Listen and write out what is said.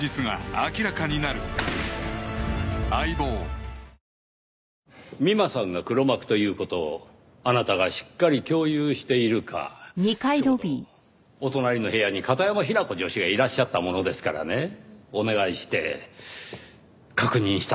ペイトク美馬さんが黒幕という事をあなたがしっかり共有しているかちょうどお隣の部屋に片山雛子女史がいらっしゃったものですからねお願いして確認したんですよ。